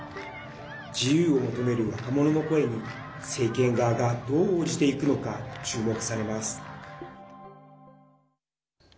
自由を求める若者の声に政権側がどう応じていくのか注目されます。